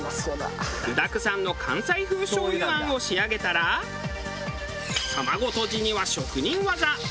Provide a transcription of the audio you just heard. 具だくさんの関西風醤油餡を仕上げたら卵とじには職人技。